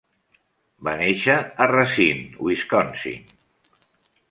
Va néixer a Racine, Wisconsin.